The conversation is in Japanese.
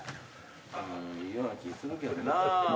うんいいような気するけどな。